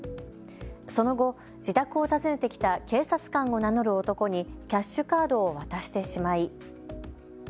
その後、自宅を訪ねてきた警察官を名乗る男にキャッシュカードを渡してしまい。